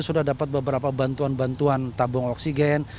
sudah dapat beberapa bantuan bantuan tabung oksigen